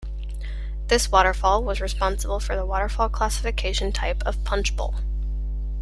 This waterfall was responsible for the waterfall classification type of punchbowl.